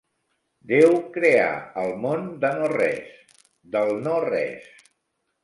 Déu creà el món de no res, del no-res.